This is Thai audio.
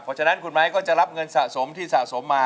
เพราะฉะนั้นคุณไม้ก็จะรับเงินสะสมที่สะสมมา